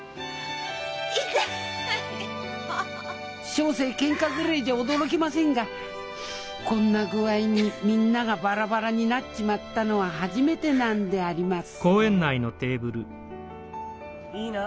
小生ケンカぐらいじゃ驚きませんがこんな具合にみんながバラバラになっちまったのは初めてなんでありますいいな！